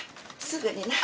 すぐにな。